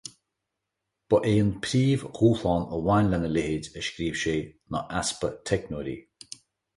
Ba é an príomhdhúshlán a bhain lena leithéid, a scríobh sé, ná easpa teicneoirí.